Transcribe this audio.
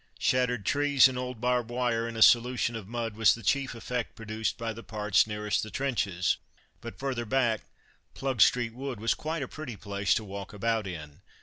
Shattered trees and old barbed wire in a solution of mud was the chief effect produced by the parts nearest the trenches, but further back "Plugstreet Wood" was quite a pretty place to walk about in.